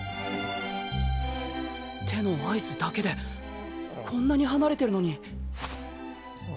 手の合図だけでこんなに離れてるのに！